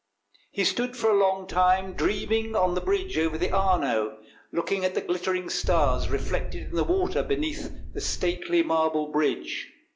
He stood for a long time dreaming on the bridge over the Arno, looking at the glittering stars 334 THE BRONZE BOAR 335 reflected in the water beneath the stately marble bridge.